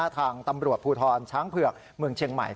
ทางตำรวจภูทรช้างเผือกเมืองเชียงใหม่